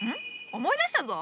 思い出したぞ。